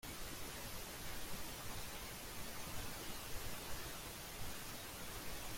Las imágenes de las mártires proceden de la antigua iglesia de Santa Eulalia.